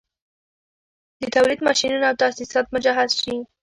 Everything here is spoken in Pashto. د تولید ماشینونه او تاسیسات مجهز شي